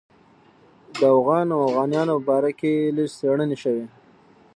د اوغان او اوغانیانو په باره کې لږ څېړنې شوې.